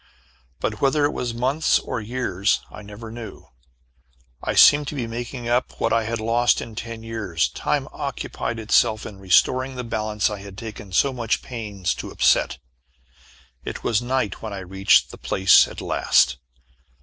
But whether it was months or years I never knew. I seemed to be making up what I had lost in ten years. Time occupied itself in restoring the balance I had taken so much pains to upset. It was night when I reached the place at last.